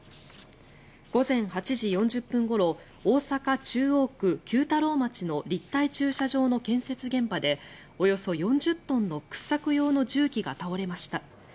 午前８時４０分ごろ大阪・中央区久太郎町の立体駐車場の建設現場でおよそ４０トンの掘削用の重機が倒れました。